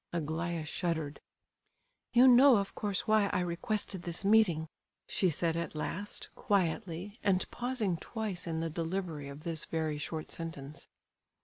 Aglaya shuddered. "You know of course why I requested this meeting?" she said at last, quietly, and pausing twice in the delivery of this very short sentence.